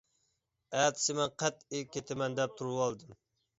ئەتىسى مەن قەتئىي كىتىمەن دەپ تۇرۇۋالدىم.